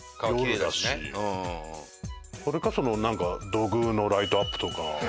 それかなんか土偶のライトアップとか。